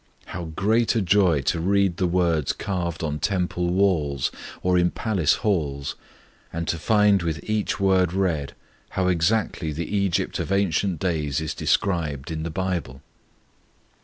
How great a joy to read the words carved on temple walls, or in palace halls; and to find with each word read how exactly the Egypt of ancient days is described in the Bible!